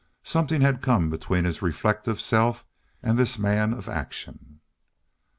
Something had come between his reflective self and this man of action.